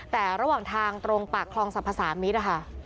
แต่ระหว่างทางตรงปากคลองสรรพสามิตรนะคะ